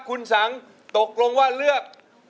คุณสังตกลงว่าเลือก